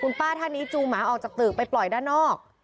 ป้าท่านนี้จูงหมาออกจากตึกไปปล่อยด้านนอก